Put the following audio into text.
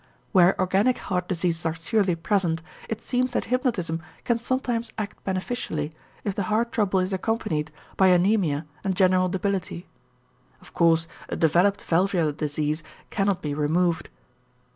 Where organic heart diseases are surely present, it seems that hypnotism can sometimes act beneficially if the heart trouble is accompanied by anæmia and general debility; of course a developed valvular disease cannot be removed.